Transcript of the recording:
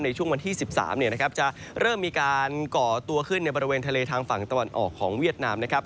ในช่วงวันที่๑๓จะเริ่มมีการก่อตัวขึ้นในบริเวณทะเลทางฝั่งตะวันออกของเวียดนามนะครับ